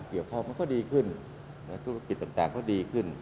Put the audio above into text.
เวลาที่มีเรื่องแนววัตตาส่วนก็ดีขึ้น